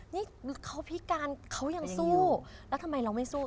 นี่คือเขาพิการเขายังสู้แล้วทำไมเราไม่สู้